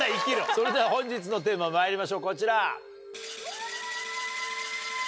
それでは本日のテーマまいりましょうこちら。